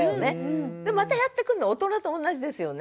でまたやってくるの大人と同じですよね。